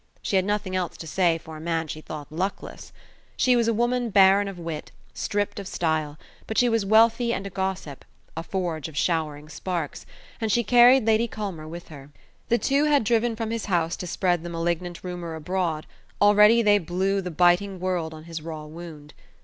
She had nothing else to say for a man she thought luckless! She was a woman barren of wit, stripped of style, but she was wealthy and a gossip a forge of showering sparks and she carried Lady Culmer with her. The two had driven from his house to spread the malignant rumour abroad; already they blew the biting world on his raw wound.